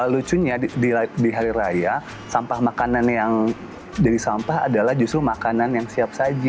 lucunya di hari raya sampah makanan yang jadi sampah adalah justru makanan yang siap saji